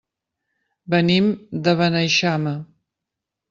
Venim de Beneixama.